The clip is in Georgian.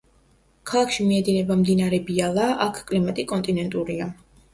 ქალაქში მიედინება მდინარე ბიალა, აქ კლიმატი კონტინენტურია.